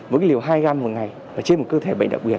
mỗi cái liều hai gram một ngày là trên một cơ thể bệnh đặc biệt